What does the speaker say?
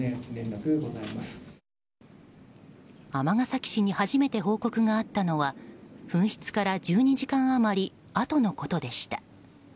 尼崎市に初めて報告があったのは紛失から１２時間余りあとのことでした。